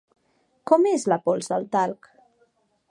Com és la pols del talc?